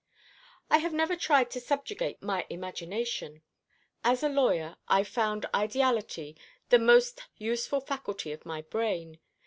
"I have never tried to subjugate my imagination. As a lawyer I found ideality the most useful faculty of my brain.